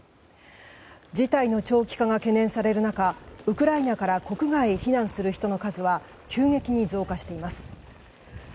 事態の長期化が懸念される中ウクライナから国外に避難する人の数は急激に増加しています。